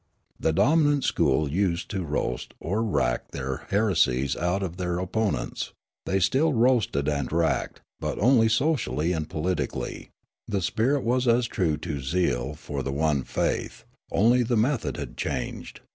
The dominant school used to roast or rack their heresies out of their opponents ; they still roasted and racked, but only socially and politically ; the spirit was as true to zeal for the one faith, only the method had changed.